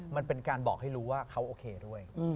มันเป็นการบอกให้รู้ว่าเขาโอเคด้วย